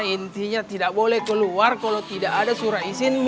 intinya tidak boleh keluar kalo tidak ada surat isinmu